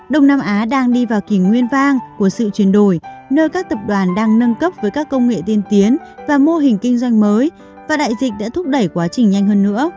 đông nam á đang đi vào kỷ nguyên vang của sự chuyển đổi nơi các tập đoàn đang nâng cấp với các công nghệ tiên tiến và mô hình kinh doanh mới và đại dịch đã thúc đẩy quá trình nhanh hơn nữa